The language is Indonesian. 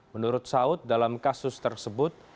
menurut saud dalam kasus tersebut